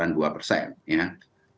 dan oleh karena itu the fed menyatakan